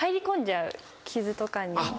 傷とかに。